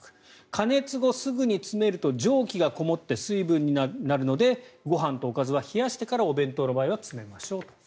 加熱後すぐに詰めると蒸気がこもって水分になるのでご飯とおかずは冷やしてからお弁当の場合は詰めましょうと。